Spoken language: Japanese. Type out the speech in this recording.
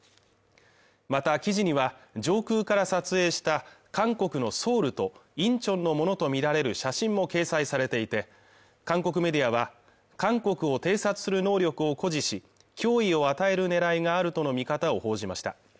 また記事には上空から撮影した韓国のソウルとインチョンのものとみられる写真も掲載されていて韓国メディアは韓国を偵察する能力を誇示し脅威を与えるねらいがあるとの見方を報じました